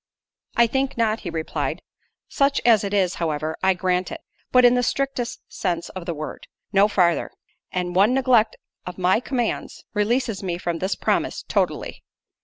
"I think not," he replied: "such as it is, however, I grant it: but in the strictest sense of the word—no farther—and one neglect of my commands, releases me from this promise totally."